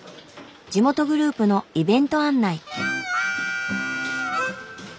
地元グループのイベント案内。